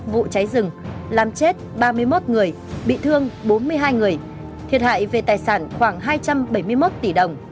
vụ cháy rừng làm chết ba mươi một người bị thương bốn mươi hai người thiệt hại về tài sản khoảng hai trăm bảy mươi một tỷ đồng